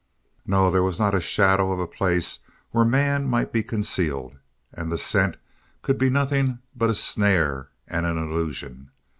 No, there was not a shadow of a place where man might be concealed and that scent could be nothing but a snare and an illusion.